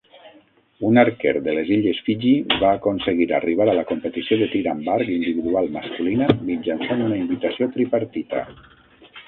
Un arquer de les illes Fiji va aconseguir arribar a la competició de tir amb arc individual masculina mitjançant una invitació tripartita.